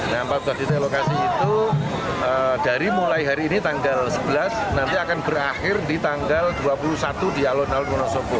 nah empat belas titik lokasi itu dari mulai hari ini tanggal sebelas nanti akan berakhir di tanggal dua puluh satu di alun alun wonosobo